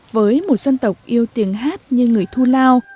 với một dân tộc yêu tiếng hát như người thu lao